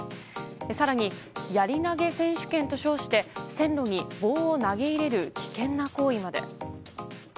更に、やり投げ選手権と称して線路に棒を投げ入れる危険な行為まで。